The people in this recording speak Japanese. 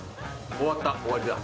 終わった終わりだ。